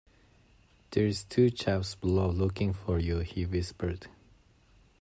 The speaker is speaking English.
“There’s two chaps below looking for you,” he whispered.